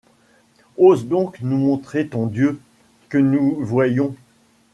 Ose donc nous montrer ton Dieu, que nous voyions